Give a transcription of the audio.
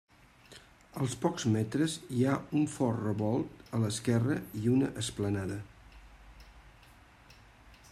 Als pocs metres hi ha un fort revolt a l'esquerra i una esplanada.